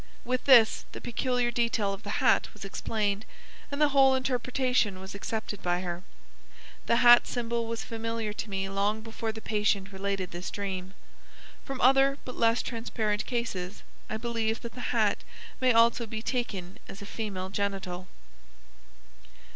With this the peculiar detail of the hat was explained, and the whole interpretation was accepted by her. The hat symbol was familiar to me long before the patient related this dream. From other but less transparent cases I believe that the hat may also be taken as a female genital.